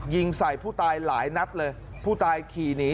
ยิงใส่ผู้ตายหลายนัดเลยผู้ตายขี่หนี